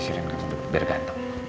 sini sini biar gantung